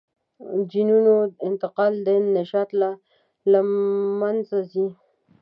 جینونو انتقال د نژاد له منځه ځي.